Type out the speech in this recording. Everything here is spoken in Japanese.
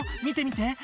見て見て」